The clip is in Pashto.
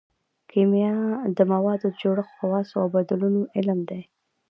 کیمیا د موادو د جوړښت خواصو او بدلونونو علم دی